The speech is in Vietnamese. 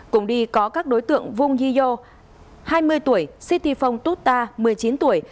cùng đi có các đối tượng vung hiyo hai mươi tuổi siti phong tuta một mươi chín tuổi